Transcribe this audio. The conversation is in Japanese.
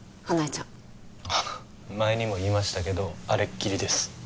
花枝ちゃん前にも言いましたけどあれっきりです